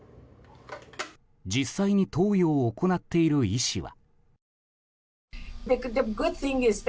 実際に投与を行っている医師は。